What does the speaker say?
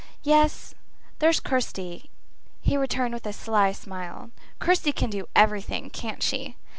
"Yes; there's Kirsty," he returned with a sly smile. "Kirsty can do everything, can't she?"